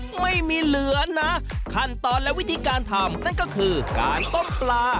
ไม่มีเหลือนะขั้นตอนและวิธีการทำนั่นก็คือการต้มปลา